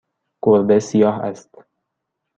گربه سیاه است.